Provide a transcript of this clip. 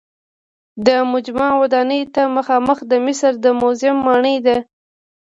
د مجمع ودانۍ ته مخامخ د مصر د موزیم ماڼۍ ده.